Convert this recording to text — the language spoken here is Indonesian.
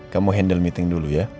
kamu handle meeting dulu ya